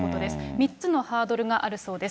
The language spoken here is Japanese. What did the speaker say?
３つのハードルがあるそうです。